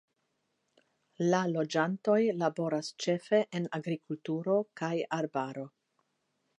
La loĝantoj laboras ĉefe en agrikulturo kaj arbaro.